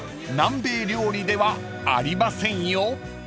南米料理ではありませんよ］